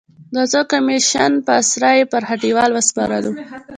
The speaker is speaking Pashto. د څو کمېشن په اسره یې پر هټیوال وسپارلو.